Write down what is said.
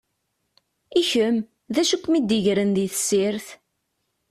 I kem, d acu i kem-id-igren di tessirt?